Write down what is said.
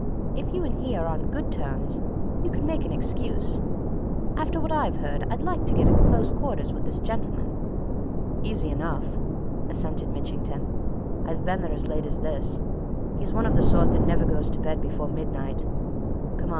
If you and he are on good terms, you could make an excuse. After what I've heard, I'd like to get at close quarters with this gentleman." "Easy enough," assented Mitchington. "I've been there as late as this he's one of the sort that never goes to bed before midnight. Come on!